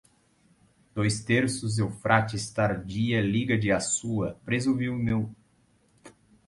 Dois terços, Eufrates, tardia, liga de Assua, presumivelmente, topográfico